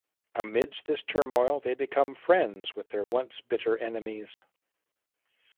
Amidst this turmoil, they become friends with their once-bitter enemies.